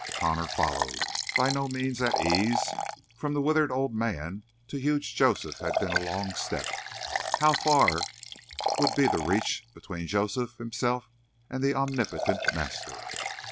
Connor followed, by no means at ease. From the withered old men to huge Joseph had been a long step. How far would be the reach between Joseph himself and the omnipotent master?